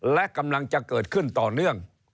และกำลังจะเกิดขึ้นต่อเนื่อง